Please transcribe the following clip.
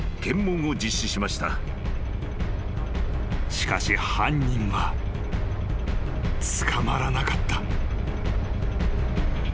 ［しかし犯人は捕まらなかった］